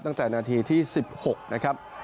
ตั้งแต่นาทีที่๑๖นะครับ